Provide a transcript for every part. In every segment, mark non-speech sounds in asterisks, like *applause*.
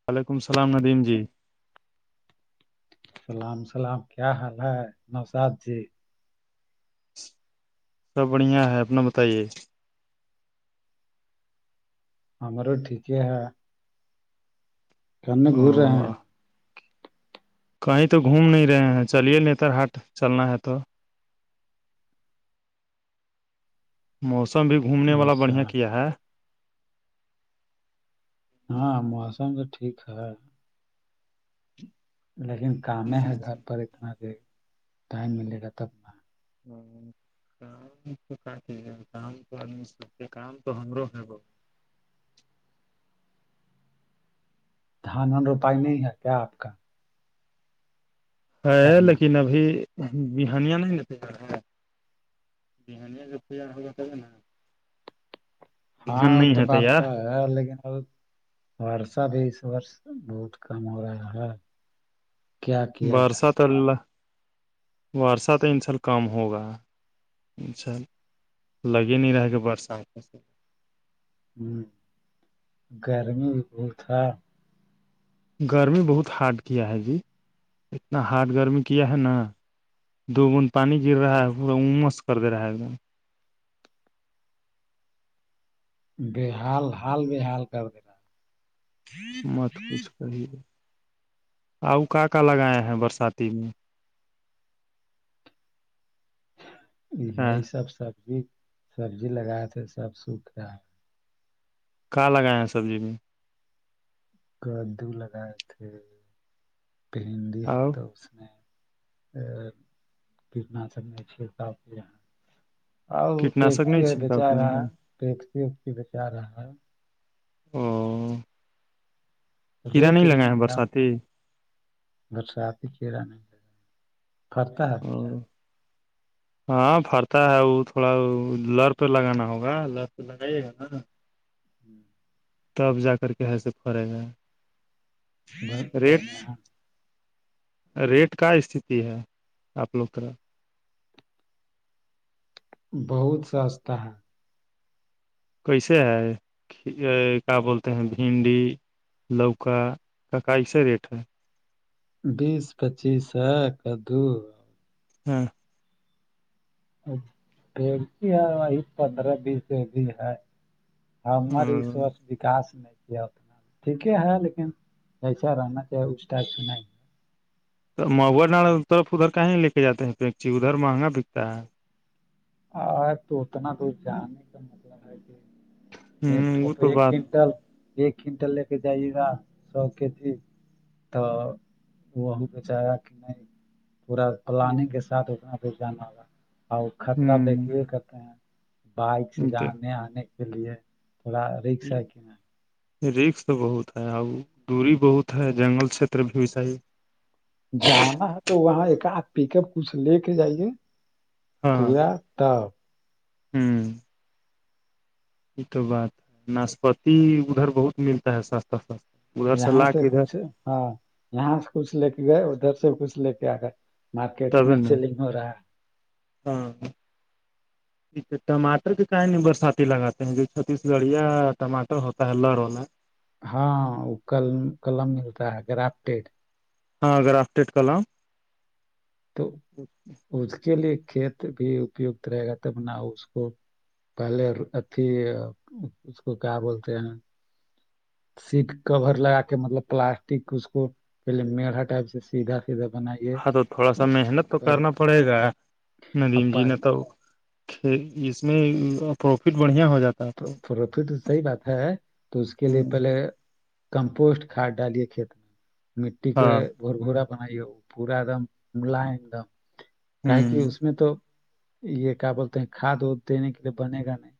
*inaudible* سلام سلام کیا حال ہے نوساد جی سب بڑھیا ہے اپنا بتائیے ہممر تو ٹھیک ہی ہے کرنے گور رہے ہیں او کہیں تو گھوم نہیں رہے ہیں چلیے نتر ہاٹ چلنا ہے تو موسم بھی گھومنے والا اچھا بڑھیا کیا ہے ہاں موسم تو ٹھیک ہے لیکن کام ہے گھر پر اتنا ٹائم ملے گا تب نا ہ کام تو کا ہے کام تو آدمی سچ ہے کام تو ہمرو ہے بہت دھان اور روپائی نہیں ہے کیا آپ کا ہے کرنا لیکن ابھی بہانییہ نہیں ن پار ہے بہانییہ جو تار ہوگا ن ہاں وہ نہیں تو بات ہے تیار لیکن اب وارسہ بھی اس وور بہت کم ہو رہا ہے کیا کیا جائے وارسہ تو اللہ وارشہ تو انسء کم ہوگا اھاء لگے نہیں رہے گ برسات میںس ہ گرمی بھی بہت تھا گرمی بہت ہارڈ کیا ہے جی اتنا ہارڈ گرمی کیا ہے نا دو گند پانی گر رہا ہے پورا امس کر د رہا ہے ایک دم بے حال حال بے حال کر دینا مت کچھ کہیے آ کا کا لگائے ہیں برساتی میں ہ یہ سب سبزی سبزی لگات کے سب سوکھ رہ کہاں لگائے ہیں سبزی میں کدو لگائے تھے پہندی ہے آؤ تو اس نے کیٹناشک نہیں چھیڑتا یہ آ وہ کیٹناشک ٹیکسی نہیں ہے چھڑکاؤ بیچا کیے رہا ہے ہیں ٹیکسی وکسی بچا رہا ہے او کیڑا ریٹ نہیں لگا لیکن ہے کم برساتی برساتی کیڑا نہیں لا پرتا ہے *unintelligible* ہاں پھرتا ہے وہ تھوڑا لر پہ لگانا ہوگا لر پہ لگائیے گا ناا *unintelligible* تب جا کر کے ہے سے پڑے گ *unintelligible* ریٹ کا استتی ہے آپ لوگ کا بہت سستا ہے کیسے ہے کیا بولتے ہیں بھنڈی لوکا کا کا ایسے ریٹ ہے بیس پچیس ہے کدو ہاں ڑکی ہے وہ پندرہ بیس بھی ہے ہمار س وکاس نہیں اپنا ٹھیک ہے لیکن ایسا رہنا چاہیے اچنا تو ما نال طرف ادھر کہیں لے کے جاتے ہیں پیکچی ادھر مہنگا بکتا ہے ا تو اتنا تو جانے کا مطلب ہے کہ ایک ہ وہ تو ایک بات کنٹل ایک کنٹل لے کے جائیے گا سو کے جی تو وہ وہوں پہ چاہ گا کہ نہیں پورا ہ پلان کے ساتھ انا پ جانا ہوگا اور خطرہ دیکھیے کرتے ہیں بائک سے جانے آنے کے لیے تھوڑا رکس ہے جی کہ نہیں رکش تو بہت ہے اور دوری بہت ہے جنگل چھیتر بھی صاہی جاما تو وہاں ایک آدھ پک اپ کچھ لے کے جائیے ہاں پورا تب ہ یہ تو بات ہے ناشپتی ادھر بہت ملتا ہے سستا سستا ادھر سے یہاں لا کے ادھر کچھ ہاں یہاں سے کچھ لے کے گئے ادھر سے کچھ لے کے آ گئے مارکیٹ تب میں نا سیلنگ ہو رہا ہے ہاں ٹھیک ہے ٹماٹر کے کہیں نہیں برساتی لگاتے ہیں ج چھتیس گڑھ یا ٹماٹر ہوتا ہے لر ہو میں ہاں وہ ک قلم ملتا ہے گرافٹیڈ ہاں اگر آف ڈیٹ کلام تو اس کے لیے کھیت بھی اپت رہے گا تب نہ اس کو پہلے اھی اس کو کیا بولتے ہیں سیٹ کور لگا کے مطلب پلاسٹک اس کو پہلے میڑھا ٹائپ سے سیدھا ک بنائیے ہاں تو تھوڑا سا محنت تو کرنا پڑے گا ندیم جی نے تو اس میں پروفٹ بڑھیا ہو جاتا ہے آپ پروفٹ صحی بات ہے تو اس کے لیے کو پہلے کمپوسٹ کھاد ڈالیے کھیت میں مٹی کے ہاں بور گوورا بنائیے پورا ایک دم ملا ہے ایک دم کاے کہ ہوں اس میں تو یہ کیا بولتے ہیں کھاد ود دینے کے لیے بنے گا نہیں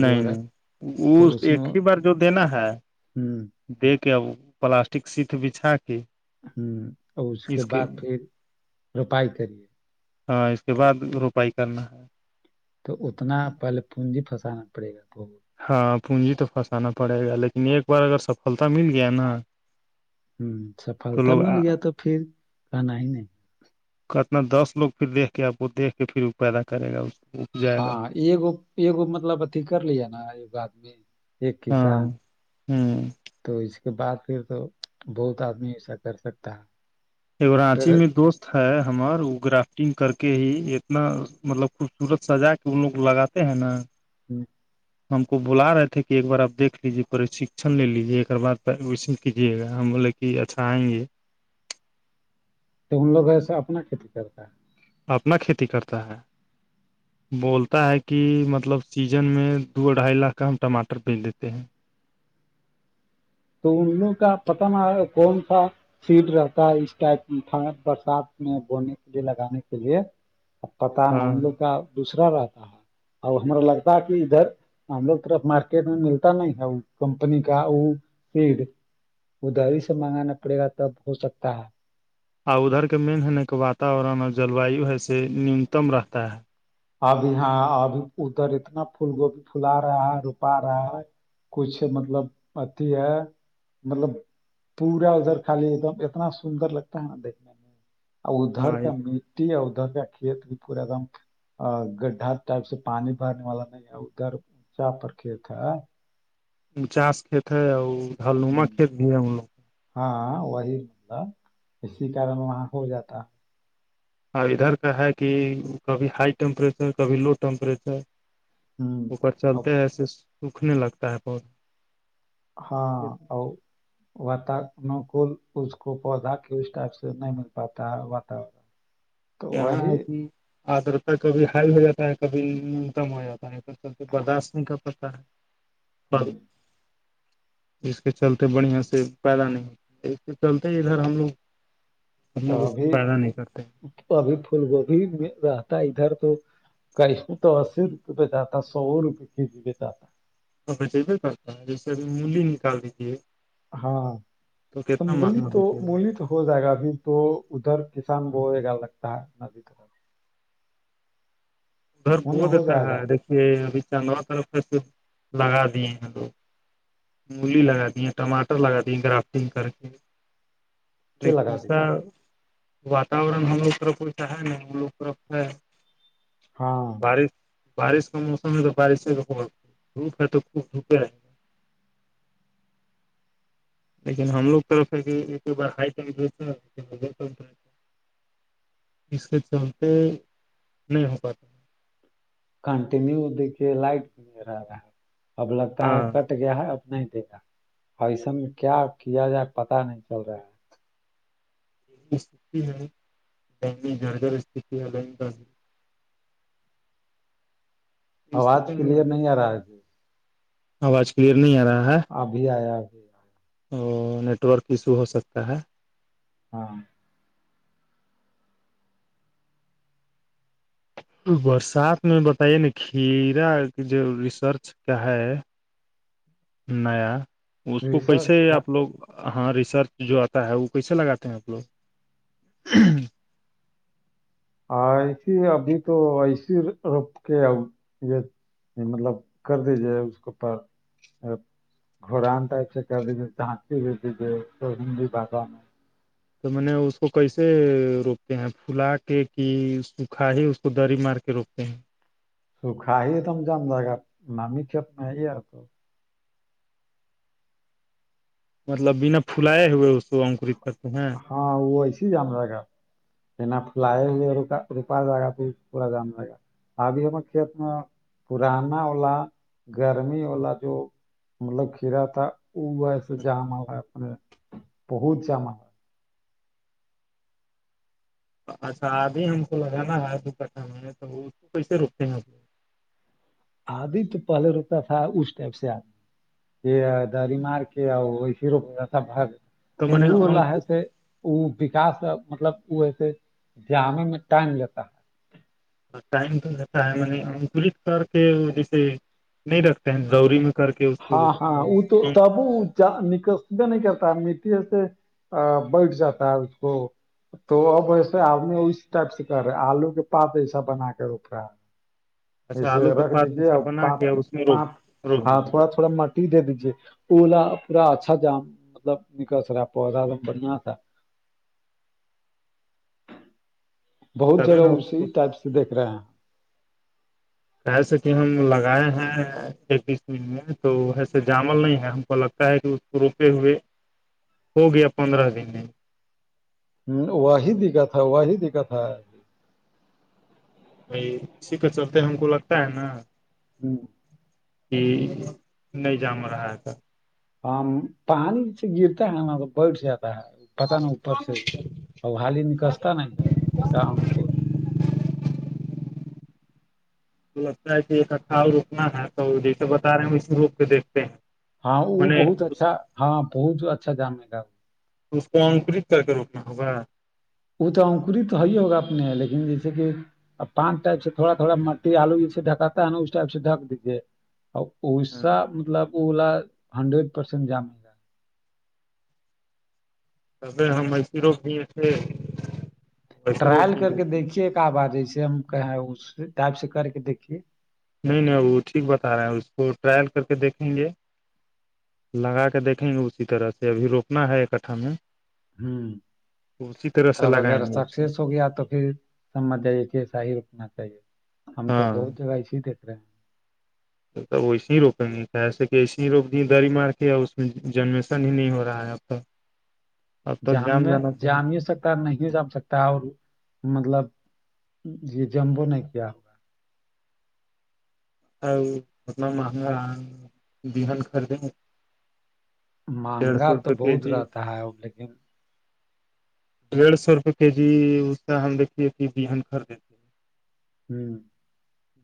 نہیں نہیں وہ ایک ہی بار جو دینا ہے ہوں دے کے اب پلاسٹک ست بچھا کے ہوں اور اس کے بعد پھر روپائی کریے ہاں اس کے بعد روپائی کرنا ہے *unintelligible* تو اتنا پہلے پونجی پھسانا پڑے گا بہت *unintelligible* ہاں پونجی تو پھنسانا پڑے گا لیکن ایک بار اگر سفلتا مل گیا نا ہوں تو سفلتا مل لوگ گیا تو پھر کہنا ہی نہیں کتنا دس لوگ پھر دیک کے آپ کو دیکھ کے پھر پیدا کرے گا کو جائے گا ہاںگ ایگ مطلب اھی کر لیا نا آدمی ایک ہاں کسان ہوں تو اس کے بعد پھر تو بہت آدمی ایسا کر سکتا ہے ایک راانچی میں دوست ہے ہمر وہ گرافٹنگ کر کے ہی اتنا مطلب خوبصورت سزا کے ان لوگ لگات ت نا ہوں ہم کو بلا رہے تھے کہ ایک بار آپ دھ لیجیےشکشن لے لیجیے ایک بع ایڈمیشن کیجیے گا ہم بے جی اچھا آئیں گے تو ان لوگ ایسا اپنا کھیتی کرتا ہے اپنا کھیتی کرتا ہے بولتا ہے کہ مطلب سیزن میں دو ڈھائی لاکھ کا ہم ٹماٹر بیج لیتے ہیں تو ان لوگ کا پت نہ کون سا سیٹ رہتا ہے اس ٹائپڈ برسات میں بونے کے لیے لگانے کے لیے اب پت ہاں نے کا دوسرا رہتا ہے ا ہمرا لگتا ہے کہ ادھر *unintelligible* *unintelligible* ہم لوگ طرف مارکیٹ میں ملتا نہیں ہے وہ کمپنی کا وہ سیڈ ادھاری سے منگانا پڑے گا تب ہو سکتا ہے اور ادھر کا مین ہے ن کہ واتورن اور جلوایو ہےسے نیونتم رہتا ہے ابھی ہاں ابھی ادھر اتنا پھول گوبھی پھلا رہا ہے روپا رہا ہے کچھ مطلب پتی ہے مطلب پورا ادھر خالی ایک دم اتنا سندر لگتا ہے نا دیکھنے میں اور ادھر ہاں کا مٹی اور ادھر کا کھیت بھی پورا ایک دم گڈھا ٹائپ سے پانی بھرنے والا نہیں ہے ادھر اونچا پر کھیت ہے چاس کت ہے اورما ہوں کت بھی ہے ہم لوگ *unintelligible* ہاں وہی بہ اسی کارم وہاں ہو جاتا اور ادھر کا ہے کہ کبھی ہائی ٹیمپریچر کبھی لو ٹیمپریچر ہے ہوں اک اب چلتے ہیںسے سکھنے لگتا ہے بت ہاں ہ وکول اس کو پودا کی اس ٹائپ سے نہیں مل پاتا ہے واتور یہاں ہے کہ آدرتا کبھی ہائی ہو جاتا ہے کبھی نیونتم ہو جاتا ہے *unintelligible* پ چل بدشمی کا پتا ہے ہوں *unintelligible* اس کے چلتے بڑھیا سے پیدا نہیں ہوتی اس کے چلتے ادھر ہم لوگ ہم تو لوگ اس کو ابھی پیدا نہیں کرتے ابھی پھول گوبھی رہتا ہے ادھر تو گیہوں تو اسی روپیے پہ جاتا ہے سو روپئے کے جی پہ جاتا ہے تو بچبے کرتا ہے جیسے اب مولی نکال دیجیے ہاں تو کتنا بولی مہنگا تو بکے گا بولی تو *unintelligible* ہو جائے گا ابھی تو ادھر کسان ب گا لگتا ہے ندی طرف *unintelligible* *unintelligible* ادھر ب انہیں ہو دیتا جائے ہے گا دیکھیے ابھی چو طرف تو لگا دیے ہیں لوگ مولی لگا دی ہیں ٹماٹر لگا دیے گرافٹنگ کر کے کہ لیکن لگا ایسا دیا۔ واتاورن ہم لوگ طرف وسا ہے نا ہم لوگ طرف ہے *unintelligible* ہاں *unintelligible* بش بارش کا موسم ہے تو بارش دھوپ ہے تو خوب دھوپ رہیں گے *unintelligible* *inaudible* لیکن ہم لوگ طرف ب اس کے چلتے نہیں ہو پاتے کنٹینیو دیکھیے لائٹ بھی نہیں رہا رہا ہے اب لگتا ہے ہاں گیا ہے اب نہیں دیتا اور ایسم میں کیا کیا جائے پتا نہیں چل رہا ہے دہلی گھر گھر است ہ آواز کلیئر نہیں آ رہا ہے جی۔ آواز کلیئر نہیں آ رہا ہے ابھی آیا ابھی تو نیٹ ورک ایشو ہو سکتا ہے ہاں برسات میں بتے نا کھیرا کی جو ریسرچ کیا ہے نیا اس کو ریسرچ کیسے کا آپ لوگ ہاں ریسرچ جو آتا ہے وہ کیسے لگاتے ہیں آپ لوگ ایسیے ابھی تو ایسی روپ کے ا یہ مطلب کر دی جائے اس کے پ گورانٹ کر دیجے جھانتی بھی دیجیے سنی بازا میں تو میں نے اس کو کیسے روپتے ہیں پھلا کے کہ سوکھا ہی کو داری مار کے روکتے ہیں سوکھاہ ہی ایک دم جام جگا نامی کپ نہیں آ تو مطلب بنا پھلاائے ہوئے اس کو انکرت کرتے ہیں ہاں وہ ایسے ہی جام رہ گا انا فل ہو روپا جائےگا پ پورا جام ل گا ابھی ہمر کھیت میں پورانا وا گرمی والا جو مطلب کھیرا تھا وہا ایسے جام والا اپنے بہچ ہم اچھا آدھی ہم کو لگانا ہے دو کٹھہ میں تو اس کو کیسے روکتے ہیں ہم آدھی تو پہلے روتا تھا اس ٹائپ سے آد یہ د مار کے کیا تو میں لن وہ ہو نے ہے سے وہ وکاس مطلب وہسے دانے میں ٹائم لیتا ہے ٹائم تو ج ہے انکولت کر کے جیسے نہیں رکھتے ہیں زوری میں کر کے اس ہاں ہاں کو وہ تو تب نک بھی نہیں کرتا میٹی سے بیٹھ جاتا ہے اس کو تو اب ویسے آدمی اس ٹائپ سے کر رہے آلو کے پات ایسا بنا کے روپ رہا ہے اچھا اسے آلو کا رکھ پات دیجے ایسا اور بنا پانچ کے اس میں پانچ روک روک ہاتھ دیجیے تھوڑا مٹی دے دیجیے اولا پورا اچھا جام مطلب نکل س رہا پودا ایکم بڑھیا تھا بہت تبھی جگہ نا اس اسی کو ٹائپ سے دیکھ رہا ہے ایسے کہ ہم لگائے ہیں ایک بیس منٹ میں تو وسے جامل نہیں ہے ہم کو لگتا ہے کہ اس کو روپے ہوئے ہو گیا پندرہ دن میں ہ وہی دکھا تھا وہی دکھا تھا بھائی اسی کے چلتے ہم کو لگتا ہے نا ہوں کہ نہیں جام رہا ہے ت ہاں پانی سے گرتا ہے نا تو بیٹھ جاتا ہے پتا نا اوپر سے ا حال ہی نکستا نا اس کام کو *unintelligible* تو لگتا ہے کہ ایک اھاؤ رکنا ہے تو جیسے بتا رہے ہیں اسیے روک کے دیکھتے ہیں ہاں میں وہ نے بہت اس اچھا ہاں بہت اچھا جامے گا وہ تو اس کو انکرت کر کے روکنا ہوگا وہ تو انکوری تو ہے ہی ہوگا اپنے لیکن جیسے کہ اور پانچ ٹائپ سے تھواوڑا مٹی آلو جسے ڈکاتا ہے ن اس ٹائپ سے ڈھک دیجیے ایسا مطلب اولا ہنڈریڈ پرسینٹ جام ہے سبے ہم مسرو بھی تھے ویسے روک ٹرائل دی کر کے گئی دیکھیے ایک آوار جیسے ہم کہ اس ٹائپ سے کر کے دیکھیے نہیں نہیں وہ ٹھیک بتا رہے ہیں اس کو ٹرائل کر کے دیکھیں گے لگا کے دیکھیں گے اسی طرح سے ابھی روکنا ہے اکٹھا میں ہوں تو اسی طرح سے تب اگر لگائیں گے اس کو سکسیس ہو گیا تو پھر سمجھ ج ایسا ہی رکنا چاہیے ہم تو ہاں بہت جگہ ایی دیکھ رہے ہیں تو تب ویسے ہی روکیں گے کیسے کہ ایسے ہی روک دیے دری مار کے اس میں جنریشن ہی نہیں ہو رہا ہے اب ہوں جام میں جامی سک نہیں جم سکتا اور مطلب یہ جمو نہیں کیا ا اتنا مہنگا بہان خریدیں گ مہنگا تو کے بہت جی رہتا ہے اب لیکن ڈیڑھ سو روپئے کے جی اس کا ہم دیکھیے کہ بہن خریدتے ہوں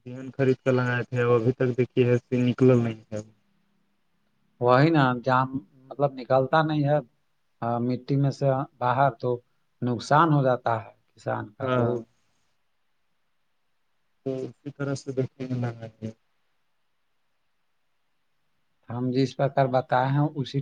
بہن خرید کر لگائے تھے ا ابھی تک دھی ہے س نکل نہیں ہے ا وہ وہی نا جام مطلب نکلتا نہیں ہے مٹی میں سے باہر تو نقصان ہو جاتا ہے کسان کا ہاں بہت تو اسی طرح سے دیکھتے ہیں نہے ہم جس پرک بتائے ہیں اسی